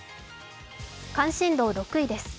関心度６位です。